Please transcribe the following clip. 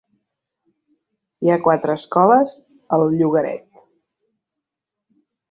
Hi ha quatre escoles al llogaret.